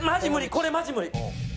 これマジ無理。